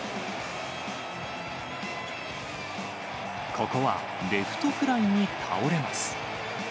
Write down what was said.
ここはレフトフライに倒れます。